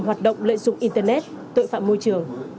hoạt động lợi dụng internet tội phạm môi trường